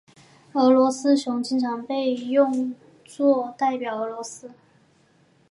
俄罗斯熊经常被用作代表俄罗斯。